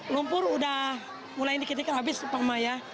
lumpur sudah mulai dikitikan habis pak maya